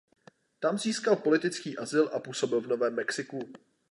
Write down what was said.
Tam získal politický azyl a působil v Novém Mexiku.